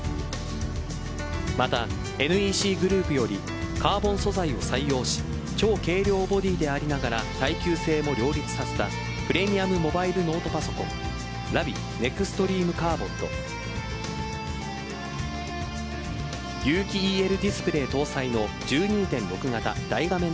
またＮＥＣグループよりカーボン素材を採用し超軽量ボディでありながら耐久性も両立させたプレミアムモバイルノートパソコンＬＡＶＩＥＮＥＸＴＲＥＭＥＣａｒｂｏｎと有機ＥＬディスプレイ搭載の１２．６型大画面